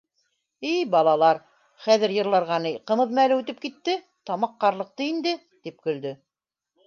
— И балалар, хәҙер йырларға ни, ҡымыҙ мәле үтеп китте, тамаҡ ҡарлыҡты инде, — тип көлдө.